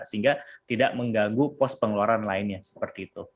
sehingga tidak mengganggu pos pengeluaran lainnya seperti itu